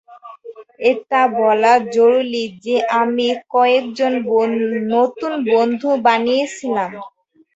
এটা বলা জরুরী যে আমি কয়েকজন নতুন বন্ধু বানিয়েছিলাম।